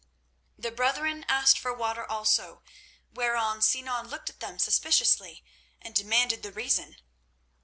The brethren asked for water also, whereon Sinan looked at them suspiciously and demanded the reason.